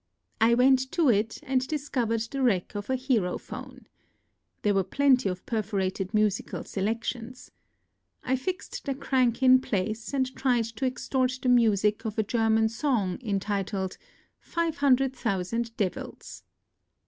I went to it, and discovered the wreck of a herophone. There were plenty of perforated musical selections. I fixed the crank in place, and tried to extort the music of a German song, entitled "Five Hundred Thousand Devils."